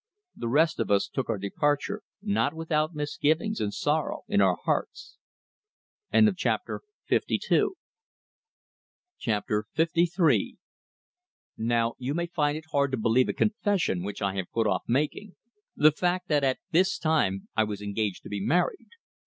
The rest of us took our departure, not without misgivings and sorrow in our hearts. LIII Now, you may find it hard to believe a confession which I have put off making the fact that at this time I was engaged to be married.